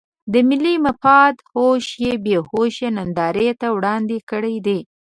د ملي مفاد هوش یې بې هوشۍ نندارې ته وړاندې کړی دی.